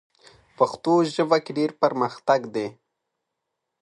پښتو ژبه کې ډېر پرمختګ دی.